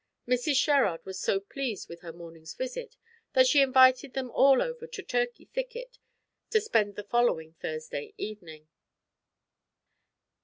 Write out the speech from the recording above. Mrs. Sherrard was so pleased with her morning's visit, that she invited them all over to Turkey Thicket to spend the following Thursday evening.